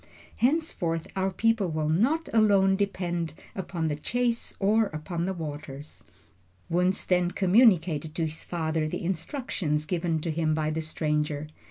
Henceforth our people will not alone depend upon the chase or upon the waters." Wunzh then communicated to his father the instructions given to him by the stranger.